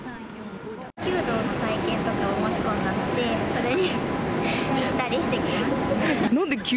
弓道の体験とかを申し込んだので、それに行ったりしてきます。